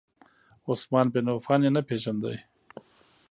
عثمان بن عفان یې نه پیژاند.